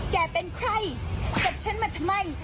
เป็นใครกับฉันมาทำไม